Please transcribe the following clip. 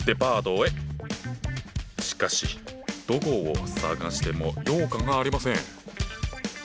しかしどこを探しても羊羹がありません。